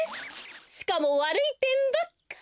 しかもわるいてんばっかり。